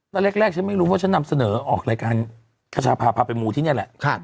แต่ตอนแรกเราไม่รู้ว่าจะนำเสนอออกรายการกระชาภาพภาพไปหมู่ที่เนี่ยแหละ